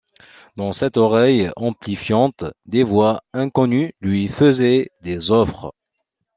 Dans cette oreille amplifiante des voix inconnues lui faisaient des offres.